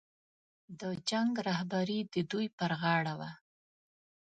د جنګ رهبري د دوی پر غاړه وه.